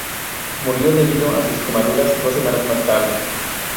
Murió debido a sus quemaduras dos semanas más tarde.